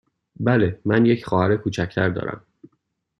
بله، من یک خواهر کوچک تر دارم.